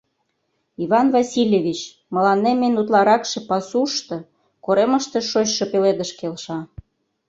Иван Васильевич, мыланем эн утларакше пасушто, коремыште шочшо пеледыш келша.